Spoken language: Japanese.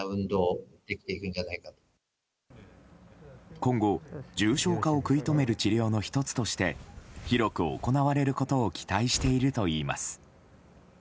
今後、重症化を食い止める治療の１つとして広く行われることを期待しているといいます。